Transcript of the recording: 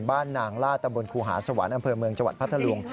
บ้านนางลาดตำบลครูหาสวรรค์อำเภอเมืองจังหวัดพัทธลุง